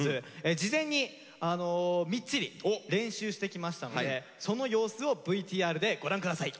事前にみっちり練習してきましたのでその様子をＶＴＲでご覧ください。